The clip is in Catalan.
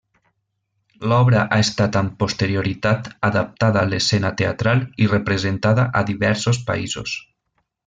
L'obra ha estat amb posterioritat adaptada a l'escena teatral i representada a diversos països.